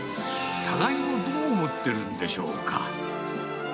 互いをどう思ってるんでしょうか。